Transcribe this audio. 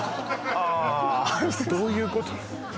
ああどういうこと？